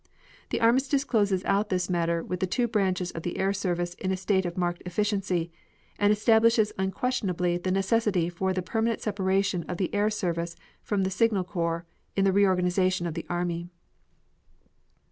The armistice closes out this matter with the two branches of the Air Service in a state of marked efficiency and establishes unquestionably the necessity for the permanent separation of the Air Service from the Signal Corps in the reorganization of the army.